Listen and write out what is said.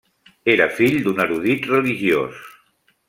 Era fill d'un erudit religiós.